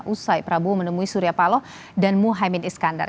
usai prabowo menemui surya paloh dan muhaymin iskandar